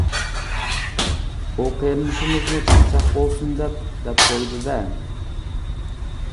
ئۇ قېرىندىشىمىزمۇ چاقچاق بولسۇن دەپ دەپ قويىدۇ دە!